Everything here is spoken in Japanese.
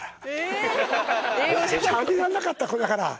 しゃべらんなかった子だから。